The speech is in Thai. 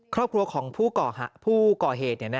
ครอบครัวของผู้ก่อเหตุ